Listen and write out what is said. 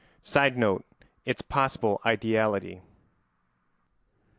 [Sidenote: Its possible ideality.